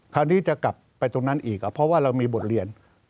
คราวนี้จะกลับไปตรงนั้นอีกเพราะว่าเรามีบทเรียน